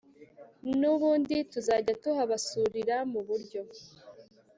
nubundi tuzajyatuhabasurira muburyo